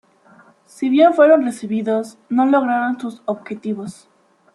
Si bien fueron recibidos, no lograron sus objetivos.